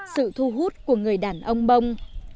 sự thu hút của người đàn ông mông